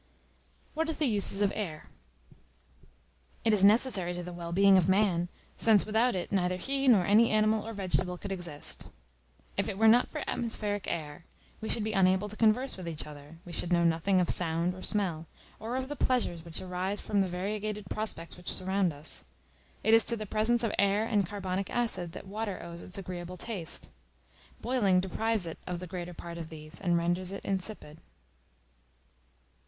What are the uses of air? It is necessary to the well being of man, since without it neither he nor any animal or vegetable could exist. If it were not for atmospheric air, we should be unable to converse with each other; we should know nothing of sound or smell; or of the pleasures which arise from the variegated prospects which surround us: it is to the presence of air and carbonic acid that water owes its agreeable taste. Boiling deprives it of the greater part of these, and renders it insipid.